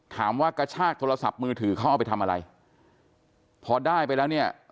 กระชากโทรศัพท์มือถือเขาเอาไปทำอะไรพอได้ไปแล้วเนี่ย